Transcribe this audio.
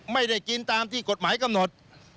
ไม่ได้กินตามที่กฎหมายกำหนด